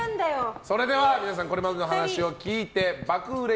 皆さん、これまでの話を聞いて爆売れ！